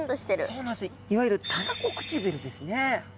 そうなんですよ。いわゆるたらこ唇ですね。